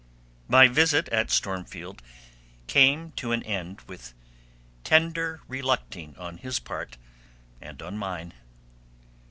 XXV. My visit at Stormfield came to an end with tender relucting on his part and on mine.